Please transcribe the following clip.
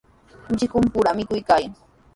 Michikuqpura mikuykaayan.